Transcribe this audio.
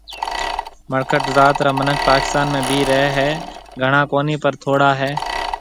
مڙکٽ ذات را مِنک پاڪستان ۾ بهيَ رهيَ هيَ گھڻا ڪونِي پر ٿوڙا هيَ